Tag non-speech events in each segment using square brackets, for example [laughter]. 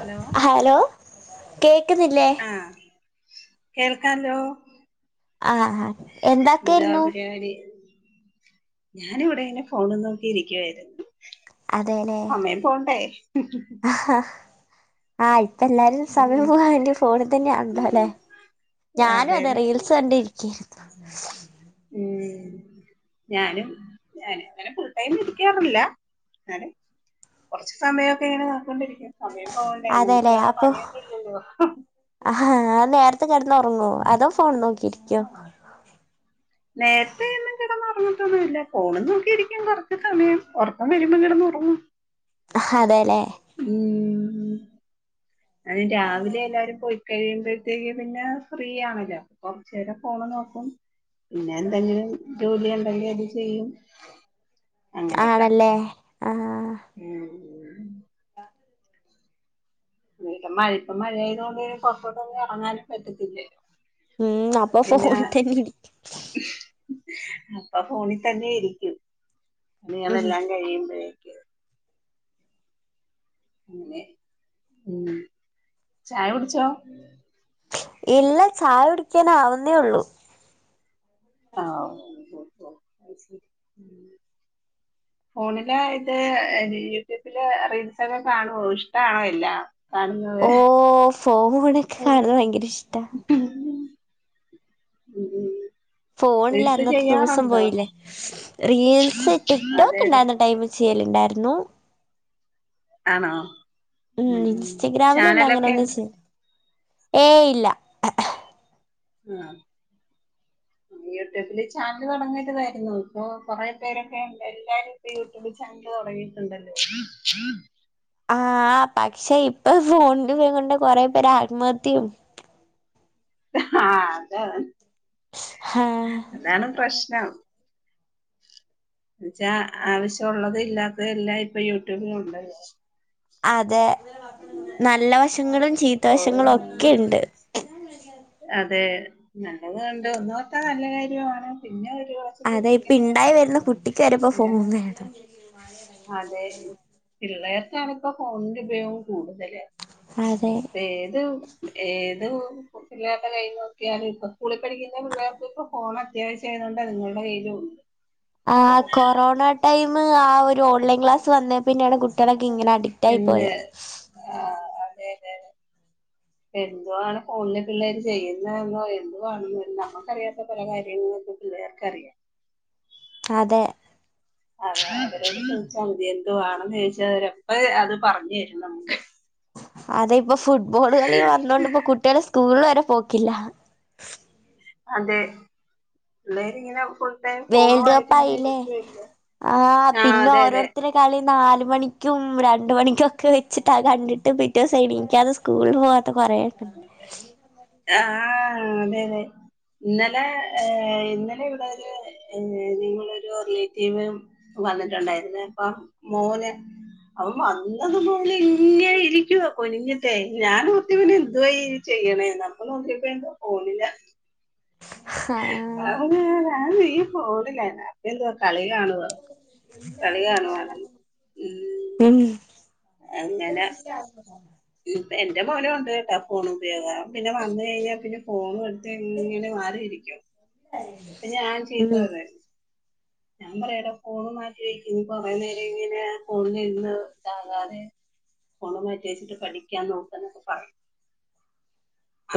Hello hello കേ ആഹ് കേൾക്കല്ലോ- ആഹാ എന്താക്ക്യ്രുന്നു- ഞാനി വിടെ ഇങ്ങനെ ഫോണും നോക്കി ഇരിക്കുവായിരുന്നു- അതെല്ലേ സമയം പോണ്ടേ- ആഹ് ഇപ്പ എല്ലാരും ഉം സമയം പോകൻണ്ടി ഫോണിൽ തന്നെയാണല്ലോ ല്ലെ- ഞാനും അതെ റീൽസ് കണ്ടിരിക്കാരുന്നു- ഉം- ഞാനും ഞാനങ്ങനെ ഫുൾ ടൈം ഇരിക്കാറില്ല അന്നാലു കൊറച്ച് സമയൊക്കെ ഇങ്ങനെ നൊക്കികൊണ്ടിരിക്കും സമയം പോകണ്ടേ നമുക്ക് വേറെ പണിയൊന്നും ഇല്ലല്ലോ? ആഹ് നേരത്തെ കെടന്ന് ഒറങ്ങോ അതോ ഫോൺ നോക്കിയിരിക്കോ? നേരത്തെ എന്നും കെടന്നൊറങ്ങത്തൊന്നുമില്ല ഫോണും നോക്കിയിരിക്കും കൊറച്ച് സമയം ഒറക്കം വരുമ്പോം കിട ഒറങ്ങൂം- ആഹ് അതെല്ലേ- മ് - അതും രാവിലെ എല്ലാരും പോയി- കഴിയുമ്പഴ്ത്തേക്ക് പിന്നെ ഫ്രീ ആണല്ലോ കൊറച്ച്നേരം ഫോണ് നോക്കും- പിന്നെ എന്തെങ്കിലും ജോലി ഒണ്ടെങ്കി അത് ചെയ്യും- ആണല്ലേ? ആ മ് - [unintelligible] മഴ ഇപ്പ മഴയായത്കൊണ്ട് പുറത്തോട്ടൊന്നും ഇറങ്ങാനും പറ്റത്തില്ലേ ഉം അപ്പ [unintelligible] അപ്പൊ ഫോണിൽ തന്നെ ഇരിക്കും ഉം [unintelligible] കഴിയുമ്പയെ ഉം ചായ കുടിച്ചോ ഇല്ല ചായ കുടിക്കാൻആവുന്നതേയുള്ളു ആഹ് ഫോണില് ഇത് യൂട്യൂബില് റീൽസൊക്കെ കാണുവോ ഇഷ്ടമാണോ എല്ലാം [unintelligible] [unintelligible] ണൊക്കെ കാണുന്നത് ഭയങ്കര ഇഷ്ട ഉം [unintelligible] ഫോണില്ല അന്നത്തെ ദിവസം പോയില്ലേ റീൽസ് അതെ അതെ ടിക്ടോക്ക്ണ്ടായിരുന്ന ടൈംമ് - ചെയ്യലുണ്ടായിരുന്നു. ആണോ ഉം ഇൻസ്റ്റഗ്രാമിൽ പിന്നെങ്ങനൊന്നും ചെയ്യ് ഏയ് ഇല്ല ആഹ് യൂട്യൂബിൽ, ചാനെൽ, തൊട [unintelligible] ഇപ്പൊ കൊറേപേരൊക്കെഎല്ലാരു യൂട്യൂബ് ചാ തൊടങ്ങിട്ടുണ്ടല്ലോ. ആഹ് പക്ഷെ ഇപ്പൊ ഫോണിന്റെ ഉപയോഗംകൊണ്ട് കൊറേ പേര് ആത്മഹത്യയും ആഹ് അതാ ആഹ് അതാണ് പ്രശ്നം. എന്നുവച്ച ആവശ്യ ഒള്ളത് ഇല്ലാത്ത എല്ലാം ഇപ്പൊ യൂട്യൂബിലുണ്ട് അതെ. നല്ല, വശങ്ങളും, ചീത്ത ഓ, വശങ്ങളും, ഒക്കെ ണ്ട്. അതെ, നല്ലത്ണ്ട്, ഒന്നോർത്ത, നല്ല കാര്യണ്, പിന്നെ, ഒര അതെ, ഇപ്പണ്ടായി, വരുന്ന, കുട്ടിക്ക് വരെ ഫോൺ, വേണം. അതെ, പിള്ളേർക്കാണ്, ഇപ്പൊ, ഫോണിന്റെ ഉപയോഗം, കൂടുതല്. അതെ ഏത്, ഏ ഏത്, പിള്ളേരുടെ, കയ്, നോക്കിയാലും, ഇപ്പ, സ്കൂളിൽ, പഠിക്കന്ന, പിള്ളേർക്ക്‌പ്പോ, ഫോണത്യാവശ്യയത് കൊണ്ട് അത്ങ്ങളുടെ കയ്യിൽ ഉണ്ട് ആ, ഫോൺ കൊറോണ, ടൈം, ആ, ഒരു, ഓൺലൈൻ, ക്ലാസ് വന്നേ പിന്നെണ്, കുട്ടിയാളൊക്കെ, ഇങ്ങനെ, അഡിക്റ്റ്, ആയി, പോയ എ എന്തുവാൺ, ഫോണില്, പിള്ളേര്, ചെയ്യുന്നെന്നോ, എന്തുവാണെന്നോ, നമ്മുക്കറിയാത്ത, പല, കാര്യങ്ങ പ്പൊ, പിള്ളേർക്കറിയാം. അതെ. അതെ, അവരോട്, ചോയ്ച്ചമതി, എന്ത് വാണം, ചോയ്ച്ച, വര് അപ്പോം, ത്, പറഞ്ഞു തരുംമ്മക്ക്. അതെ, പ്പൊ, ഫുട്ബോൾ, കളി വന്നൊണ്ട്പ്പൊ, കുട്ടിയാള്, സ്കൂളില്, വരെ പോക്കില്ലഹ. അതെ, പിള്ളേരിങ്ങനെ ടൈം വേൾഡ്, ഫോണുമായിട്ട് കപ്പ് ഇങ്ങനെ ആയില്ലേ, ഇരിക്കുവല്ലേ. ആ, ആഹ് പിന്നെ, അതെ അതെ ഓരോരുത്തരെ, കളി, നാല മണിക്കും, രണ്ട് മണിക്കുംക്കെ, വെച്ചിട്ട കണ്ടിട്ട്, പിറ്റേസം, എണീക്കാതെ, സ്കൂൾ, പോ ത്ത കുറേ ആഹ, അതെ, തെ. ഇന്നലെ, ഇന്നലെ, ഇവിടൊരു, നി, നിങ്ങളൊരു, റിലേറ്റീവ് വന്നിട്ടുണ്ടായിരുന്നെ, അപ്പൊ, മോന് അവൻ, വന്നതുപോലെ, ഇങ്ങനെ, ഇരിക്കുവ കുനിഞ്ഞിട്ട്, ഞാനോർത്തു, വനെന്തുവ ചെയ്യുന്നേ ചെയ്യണേന്ന്, അപ്പൊ, നോക്കിയപ്പോ, ന്തുവാ, ഫോണിലാ [unintelligible] ആഹ് അത് ഞാൻ പോണില്ലായിരുന്നു അപ്പം എന്ത് പറഞ്ഞു കാണുവാണെന്ന് ഉം. അങ്ങനെ ആ. എന്റെ, മോനും, ണ്ട്, കേട്ടോ, ഫോണുപയോഗം പിന്നെ, വന്ന്, കയിഞ്ഞപ്പിന്നെങ്ങനെ, ഫോണും, എടുത്ത്, ഇങ്ങനെ, മാറിരിക്കും അപ്പ, ഞാൻ, ഉം ചീത്തപറയും ഞാൻ, പറയും എടാ, ഫോണ്, മാറ്റി വെക്ക്, കൊറേ നേരായിങ്ങനെ, ഫോണിലിരുന്ന് ഇതകാതെ ഫോണ്, മാറ്റി വെച്ചിട്ട്, പഠിക്കാൻ, നോക്ക് ന്നൊക്കെ പറയും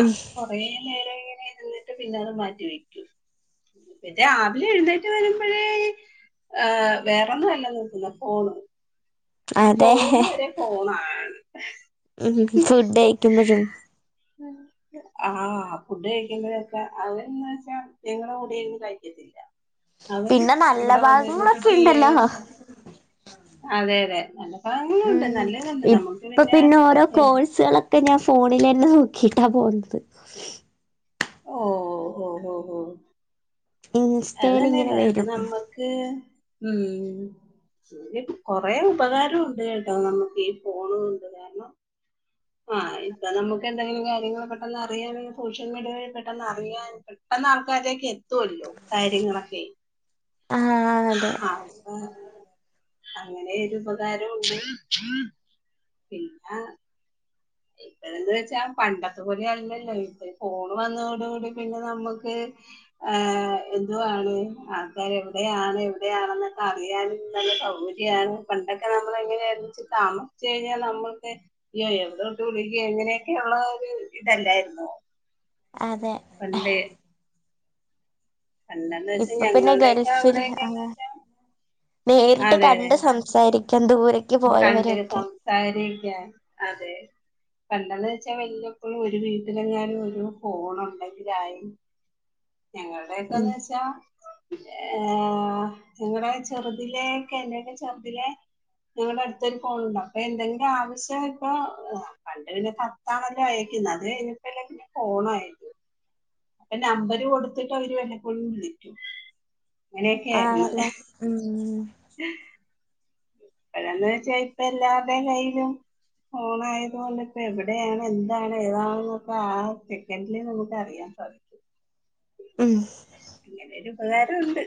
ഉം കൊറേ നേരമായി അത്രേ തിന്നിട്ട് പിന്നെങ്ങാട്ട്, മാറ്റി വെക്കും, രാവിലെ, എഴുന്നേറ്റ്, വരും മ്പഴേ, വേറൊന്നും,, അല്ല, നോക്കുന്നത്, ഫോണ് അതെ പോകുന്നവരെ, ഫോണാണ്. ഉം, ഫുഡ് കഴിക്കുമ്പോഴും ഉം. ആ ഫുഡ് കഴിക്കുമ്പോഴക്ക അവര്ന്ന് വെച്ചാ സ്ത്രീകളെ കൂടെന്ന് കഴിക്കത്തില്ല. അവൻ പിന്നെ നല്ല ഇവിടെ വന്നിരുന്നിട്ട് ഭാഗങ്ങളൊക്കെ ടീ ണ്ടല്ലോ അതെ അതെ നല്ല ഉ കാര്യങ്ങളുണ്ട് നല്ലതുണ്ട് നമുക്ക് ഇപ്പൊ പിന്നെ ഓരോ കോഴ്സുകളൊക്കെ ഞാൻ ഫോണിൽന്നെ നോക്കിട്ടാ പോന്നത് ഓഓ ഓ ഓ ഓ അത് ഇൻസ്റ്റയിൽ ഇങ്ങനെ തന്നെയല്ല വരും നമ്മക്ക് ഉ പിന്നെ കൊറേ ഉപകാരം ഉണ്ട് കേട്ടോ നമ്മുക്ക് ഈ ഫോണ് കൊണ്ട് കാരണം ആ ഇപ്പൊ നമുക്ക് എന്തെങ്കിലും കാര്യങ്ങൾ പെട്ടെന്ന് അറിയാന് സോഷ്യൽ മീഡിയ പെട്ടെന്ന് അറിയാൻ പെട്ടെന്ന് ആൾക്കാരിലേക്ക് എതോല്ലോ കാര്യങ്ങളൊക്കെ ആഹ് അതെ ആ ഹത് അങ്ങനെരു ഉപകാരണ്ട് പിന്നെ [inaudible] ഇന്ന് വെച്ചാ പണ്ടത്തെ പോലെ അല്ലല്ലോ ഇപ്പ ഫോൺ വന്നതോട കൂടി പിന്നെ നമ്മുക്ക് ഏ എന്തുവാണ് ആൾക്കാർ എവിടെയാണ് എവിടെയാണെന്നൊക്കെ അറിയാനും നല്ല സൗകര്യം പണ്ടൊക്കെ നമ്മൾ എങ്ങനെയ താമിച്ചച്ച് കഴിഞ്ഞാൽ നമ്മൾക്ക് അയ്യോ എവി തുളികേ ഇങ്ങനെയൊക്കെയള്ള ഒരു ഇ തല്ലായിരുന്നോ അതെ പണ്ടെന്ന് വെച്ചാ ഇപ്പൊ പിന്നെ ഞങ്ങളുടെയൊക്കെ ഗൾഫിൽ ആ അവിടെയൊക്കെന്ന് വെച്ചാ നേരിട്ട് കണ്ട് സംസാരി കണ്ടി സംസാരിക്കാൻ അതെ പണ്ടെന്ന് വെച്ചാൽ വല്ലപ്പോഴും ഒരു വീട്ടിലെഞാനും ഒരു ഫോണുണ്ടെങ്കിലായ് ഞങ്ങളുടെയക്കെന്ന് ഉം വെച്ചാ ഏ നിങ്ങടെ ചെറുതിലക്കെ എന്തൊക്കെ ചെറുതിലെ ഞങ്ങളുടെ അടുത്തൊരു ഫോണുണ്ടോ അപ്പൊ എന്തെങ്കിലും ആവശ്യം വരുമ്പോ പണ്ട് പിന്നെ കത്താണല്ലോ അയ അത് കഴിഞ്ഞിട്ടല്ലേ ഫോണായത് അപ്പൊ നമ്പര് കൊടുത്തിട്ട് അവര് വപ്പോഴും വിളിക്കു അങ്ങനെയൊക്കെയയിരുന്നു ആണല്ലേ ഉം ഉം [unintelligible] വെച്ച ഇപ്പ എല്ലാരുടെകയ്യിലും ഫോണായത് കൊണ്ട് ഇപ്പ എവിടെയാണ് എന്താണ് ഏതാണെന്നക്ക ആ സെക്കൻഡില് നമുക്ക് അറിയാം. [unintelligible] ഉം അങ്ങനെരുപകാരണ്ട്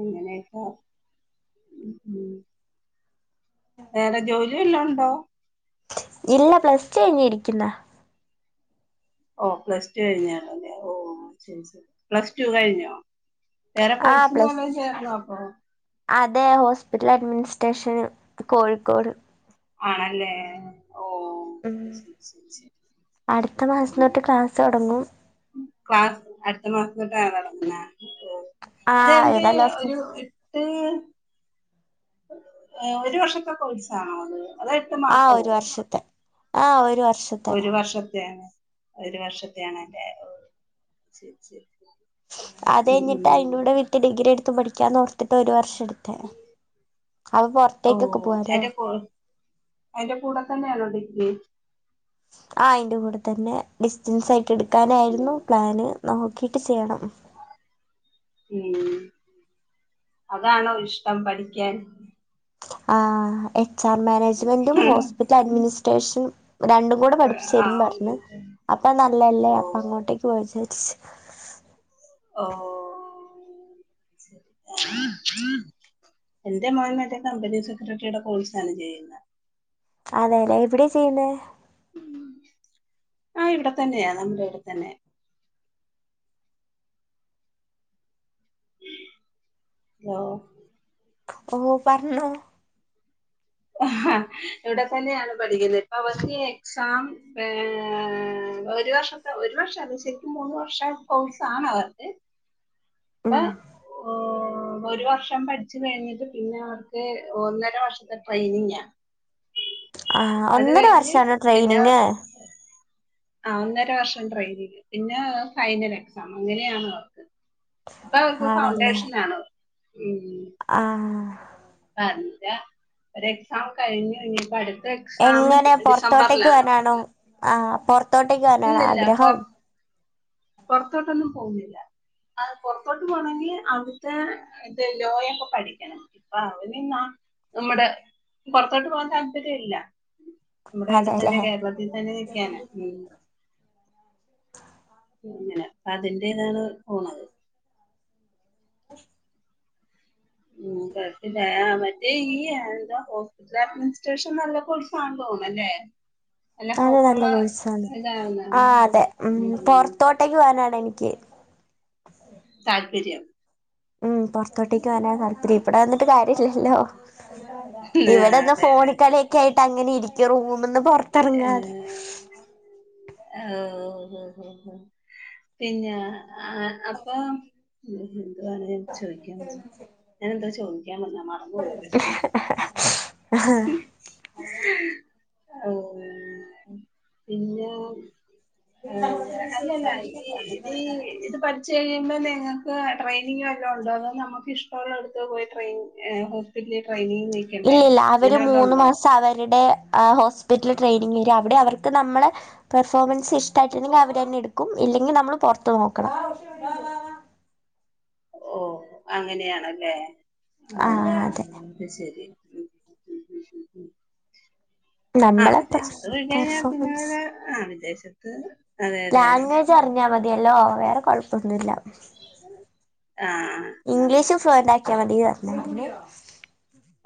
ങ്ങനക്ക വേറെ ജോലിവല്ലോണ്ടോ ഇല്ല, പ്ലസ് ടു കഴഞ്ഞി ഇരിക്കുന്ന ഓ പ്ലസ് ടു കഴിഞ്ഞാലോല്ലെ ഓ ശരി ശരി പ്ലസ് ടു കഴിഞ്ഞോ? വേറെ ആ കോഴ്സിന് പ്ലസ് വല്ലോം ചേർന്നോ അപ്പൊ അതെ ഹോസ്പിറ്റൽ അഡ്മിനിസ്ട്രേഷന് കോഴിക്കോട് ആണല്ലേ ഓ ഉം ശരി ശരി ശരി അടുത്ത മാസം തോട്ട് ക്ലാസോടങ്ങും ക്ളാസ് അടുത്ത മാസംതൊട്ടാണോ തുടങ്ങുന്നേ ആ അതേ എന്റെ ഏതായാലും ഒരു എട്ട് ഏ ഒരു വർഷത്തെ കോഴ്സാ ണോ അത്. അതോ എട്ട് ആ മാസവോ? ഒരു വർഷത്തെ ആഹ ഒരു വർ ഒരു വർഷത്തെ ഒരു വർഷത്തെയണല്ലേ ഓ ശരി ശരി അത് ഉം കഴിഞ്ഞിട്ട് ഉം അതിന്റെറെ കൂടെ വിത്ത് ഡിഗ്രി എടുത്തു പഠിക്കാന്നോർത്തിട്ട് ഒരു വർഷം ടുത്തേ ഓ അന്റെ ക എൻറെ കൂടെ തന്നെയാണോ ഡിഗ്രി ഉം ആ അയിന്റെ കൂടെ തന്നെ ഡിസ്റ്റൻസ് ആയിട്ട് എടുക്കാനായിരുന്നു പ്ലാന് നോക്കിട്ട് ചെയ്യണം ഉം അതാണോ ഇഷ്ടം പഠിക്കാൻ ആ എച്ച് ആർ മാനേജ്മെന്റും ഹോസ്പിറ്റൽ അഡ്മിനിസ്ട്രേഷനും രണ്ടും കൂടെ പഠിപ്പിച്ചു ആ തരും പറഞ്ഞ് അപ്പ നല്ലല്ലേ ഓ അപ്പ അങ്ങോട്ടേക്ക് പോവാമെന്നുവിച്ചാരിച്ച് ഓഹ് എന്റെ മോൻ മറ്റെ കമ്പനി സെക്രട്ടറിയുടെ കോഴ്സ് ആണ് ചെയ്യുന്നത് അതെല്ലേ എവിടെ ചെയ്യുന്നേ അഹ് ഇവിടെ തന്നെയാ നമ്മുടെ ഇവിടെത്തന്നെയ ഹലോ ഓ പറഞ്ഞോ [unintelligible] ഇവിടെ തന്നെയാണ് പഠിക്കുന്നത് ഇപ്പ അവർക്ക് എക്സാം ആ- ഒരു വർഷത്തെ ഒരു വർഷം അത് ശരിക്കും മൂന്ന് വർഷം കോഴ്‌സാണ് അവർക്ക് ഇപ്പൊ ഉം ഒരു വർഷം പഠിച്ച് കഴിഞ്ഞിട്ട് പിന്നെ അവർക്ക് ഒന്നര വർഷത്തെ ട്രെയിനിങയാ ആഹ് ഒന്നര വർഷാണോ ട്രെയിനിങ് ആഹ് ഒന്നര വർഷം ട്രെയിനിങ് പിന്നെ ഫൈനൽ എക്സാം അങ്ങനെയാണ് അവർക്ക് ഇപ്പൊ അവർക്ക് ഫൗണ്ടേഷനാണ് ആഹ് പറഞ്ഞില്ല ഒരു എക്സാം കഴിഞ്ഞു ഇനിപ്പോ അടുത്ത് എങ്ങനെ പുറത്തോട്ടേക്കു പോവാനാണോ ആഹ് പൊറത്തോട്ടേക്കോവനാണ് ആഗ്രഹം പൊറത്തോട്ടൊന്നും പോകുന്നില്ല ആഹ് പൊറത്തോട്ട് പോകണെങ്കിൽ അവിടുത്തെ ഇത് ലോ യൊക്കെ പഠിക്കണംയിപ്പ അവന് നമ്മുടെ പൊറത്തോട്ട് പോകൻ താല്പര്യം ഇല്ല നമ്മടെ ഇവിടെ അതെല്ലേ തന്നെ കേരളത്തിൽ തന്നെ നിക്കാനാ അങ്ങനെ അതിൻ്റേതാണ് പോണത് [inaudible] ഉം മറ്റെ ഈ ആഹ് എന്താ ഹോസ്പിറ്റൽ അഡ്മിനിസ്ട്രേഷൻ നല്ല കോഴ്സാണെന്ന് തോന്നുന്നല്ലേ അതെ നല്ല കോഴസാണ് ഇതാണ് ആഹ് അതെ ഉം പൊറത്തോട്ടേക്ക് പോകാനാണ് എനിക്ക്- [unintelligible] താല്പര്യം ഉം പൊറത്തോട്ടേക്ക് പോവാനാണ് താല്പര്യം ഇവിടെ നിന്നിട്ട് കാര്യമില്ലല്ലോ ആ, ഇവിടെനിന്ന് അതെ അതെ അതെ ഫോണികളിയൊക്കെ ആയിട്ട് അങ്ങനെ ഇരി റൂമന്ന് പൊറത്തിറങ്ങാതെ- ഓഹ് ഓഹ് പിന്നെ ആഹ് അപ്പൊ- എന്തോവാണ് ചോദിക്കാൻ ഞാൻ എന്താ ചോദി- ക്കാൻ വന്നേ മറന്നുപോയി പെട്ടെന്ന് ആഹ് [unintelligible] ഔ പിന്നെ ഏഹ് അല്ലല്ല ഈ ഇത് ഇത് പഠിച്ച് കഴി യുമ്പ നിങ്ങക്ക് ട്രെയിനിങ് വല്ലോം ഉണ്ടോ അതോ നമുക്കിഷ്ടള്ളോട്ത്ത് പോയി ട്രെയിൻ ഏഹ് ഹോസ്പിറ്റലീന്ന് ട്രെയിനിങ്ങിന് നിക്കണ്ടേ ഇല്ലില്ല അവര് മൂന്ന് മാസം അവര്ടെ ആ ഹോസ്പിറ്റൽ ട്രെയിനിങരും അവടെ അവർക്ക് നമ്മളെ പെർഫോമൻസ് ഇഷ്ടായിട്ട്ണ്ടെങ്കി അവരന്നെ എട്ക്കും ഇല്ലെങ്ങി നമ്മള് പൊറത്ത് നോക്കണം. ഓഹ് അങ്ങനെയണല്ലേ ആ ഓഹ് അതെ അത് ശരി ഉം, ഉം, ഉം, ഉം, ഉം. ആ നമ്മളെ വിദേശത്ത് പോയി കഴിഞ്ഞാ പിന്നെ പെർഫോമൻസ് ആ വിദേശത്ത് അതെ അതെ ലാംഗ്വേജ് അറിഞ്ഞാ മതിയല്ലോ വേറെ കൊഴപ്പൊന്നുല്ല. ആ ആ ആ ഇംഗ്ലീഷും ഫ്ലുവൻ്റ് ആക്കിയാ മതി പറഞ്ഞാ [inaudible]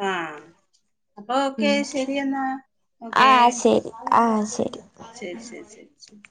ആ ആ, അപ്പൊ ഓക്കെ ഉം ശരി എന്നാ ഓക്കേ ആഹ് ശരി ആഹ് ശരി ശരി ശരി ശരി ശരി